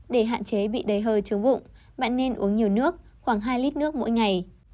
để hạn chế bị đầy hơi chướng bụng bạn nên uống nhiều nước khoảng hai lít nước mỗi ngày